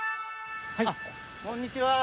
こんにちは。